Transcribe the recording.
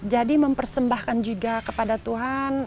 jadi mempersembahkan juga kepada tuhan